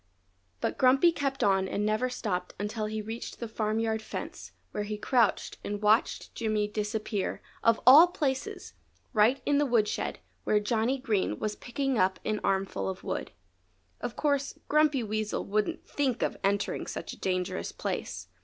But Grumpy kept on and never stopped until he reached the farmyard fence where he crouched and watched Jimmy disappear of all places! right in the woodshed, where Johnny Green was picking up an armful of wood. Of course Grumpy Weasel wouldn't think of entering such a dangerous place.